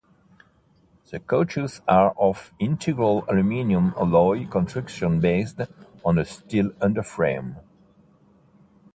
The coaches are of integral aluminium alloy construction based on a steel underframe.